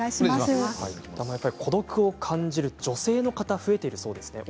孤独を感じる女性の方が増えてるそうですね。